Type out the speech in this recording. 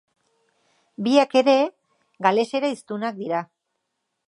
Biak ere galesera hiztunak dira.